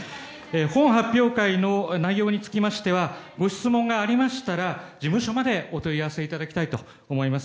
本発表会の内容につきましてはご質問がありましたら事務所まで、お問い合わせいただきたいと思います。